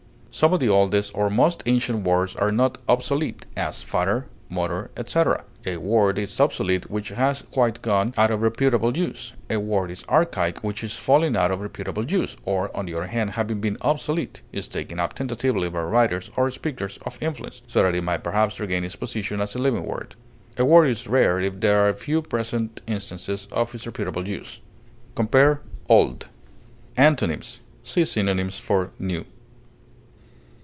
Some of the oldest or most ancient words are not obsolete, as father, mother, etc. A word is obsolete which has quite gone out of reputable use; a word is archaic which is falling out of reputable use, or, on the other hand, having been obsolete, is taken up tentatively by writers or speakers of influence, so that it may perhaps regain its position as a living word; a word is rare if there are few present instances of its reputable use. Compare OLD. Antonyms: See synonyms for NEW.